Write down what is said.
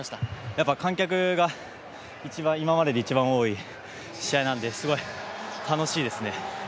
やっぱ観客が今までで一番多い試合なんで楽しいですね。